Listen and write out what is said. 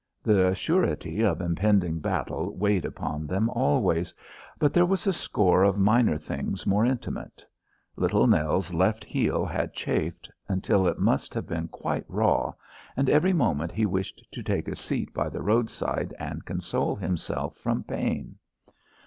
The surety of impending battle weighed upon them always, but there was a score of minor things more intimate. Little Nell's left heel had chafed until it must have been quite raw, and every moment he wished to take seat by the roadside and console himself from pain.